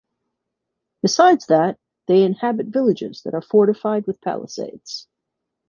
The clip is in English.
Besides that, they inhabit villages that are fortified with palisades.